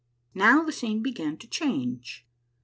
Now the scene began to change.